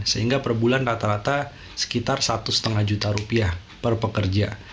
sehingga per bulan rata rata sekitar satu lima juta rupiah per pekerja